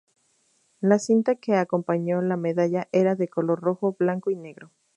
La cinta que acompañó la medalla era de color rojo, blanco y negro.